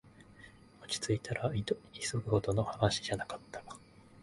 落ちついたら、急ぐほどの話じゃなかった